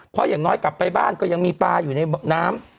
เพราะอย่างน้อยกลับไปบ้านก็ยังมีปลาอยู่ในน้ำ